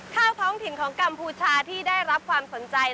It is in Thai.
ข้าวท้องถิ่นของกัมพูชาที่ได้รับความสนใจ